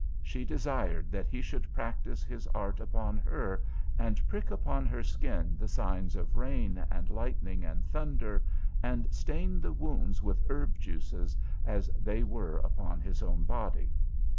She desired that he should practise his art upon her, and prick upon her skin the signs of Rain and Lightning and Thunder, and stain the wounds with herb juices, as they were upon his own body.